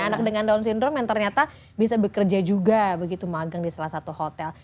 anak dengan down syndrome yang ternyata bisa bekerja juga begitu magang di salah satu hotel